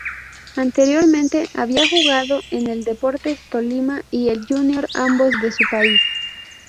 Anteriormente había jugado en el Deportes Tolima y el Junior, ambos de su país.